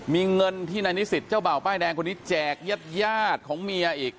มีเงินที่นายนิสิทธิ์เจ้าเหร่าป้ายแดงจะแจกญาติยาดของเมียอีก